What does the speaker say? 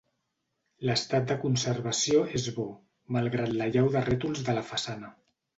L'estat de conservació és bo malgrat l'allau de rètols de la façana.